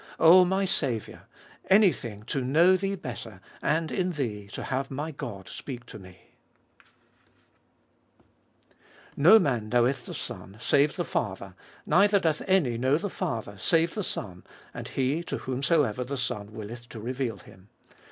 O my Saviour! anything to know Thee better, and in Thee to have my God speak to me ! 1. "No man knoweth the Son, saue the Father, neither doth any know the Father save the Son, and he to whomsoever the Son uiilleth to reveal him."